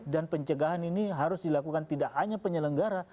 dan pencegahan ini harus dilakukan tidak hanya penyelenggara